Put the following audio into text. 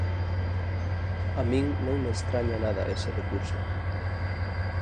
A min non me estraña nada ese recurso.